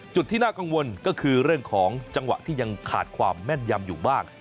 ที่น่ากังวลก็คือเรื่องของจังหวะที่ยังขาดความแม่นยำอยู่บ้าง